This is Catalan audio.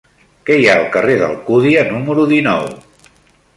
Què hi ha al carrer d'Alcúdia número dinou?